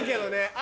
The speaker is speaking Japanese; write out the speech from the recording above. あ。